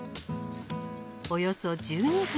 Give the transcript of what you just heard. およそ１２分。